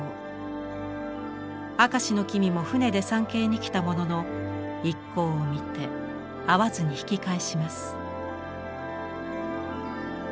明石君も船で参詣に来たものの一行を見て会わずに引き返します。